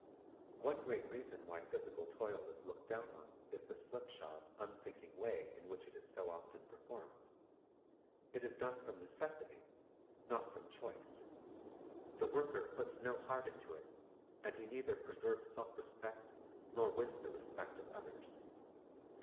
One great reason why physical toil is looked down on is the slipshod, unthinking way in which it is so often performed. It is clone from necessity, not from choice. The worker puts no heart into it, and he neither preserves self respect nor wins the respect of others.